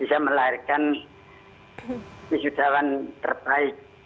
dan melahirkan wisudawan terbaik